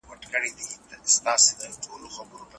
ښځو په ټولنه کي د پام وړ رول درلود.